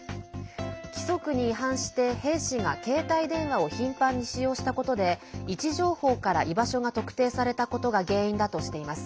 規則に違反して兵士が携帯電話を頻繁に使用したことで位置情報から居場所が特定されたことが原因だとしています。